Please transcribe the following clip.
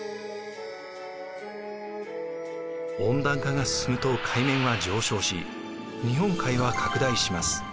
温暖化が進むと海面は上昇し日本海は拡大します。